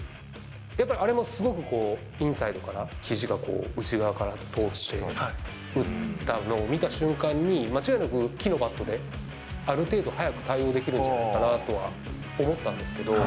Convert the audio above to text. やっぱりあれもすごくこう、インサイドからひじが内側から通って、打ったのを見た瞬間に、間違いなく木のバットで、ある程度早く対応できるんじゃないかなとは思ったんですけど。